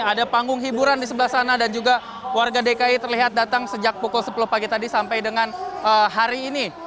ada panggung hiburan di sebelah sana dan juga warga dki terlihat datang sejak pukul sepuluh pagi tadi sampai dengan hari ini